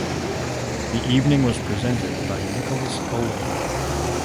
The evening was presented by Nicholas Owen.